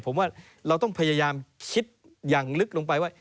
ผมว่าเราต้องพยายามคิดอย่างลึกลงไปว่า